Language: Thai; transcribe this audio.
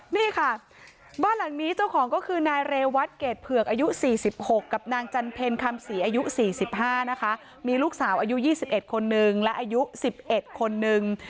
นี่ค่ะบ้านหลังนี้เจ้าของก็คือนายเรวัตเกรดเผือกอายุ๔๖กับนางจันเพลคำศรีอายุ๔๕นะคะมีลูกสาวอายุ๒๑คนนึงและอายุ๑๑คนนึง